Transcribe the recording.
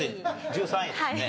１３位ですね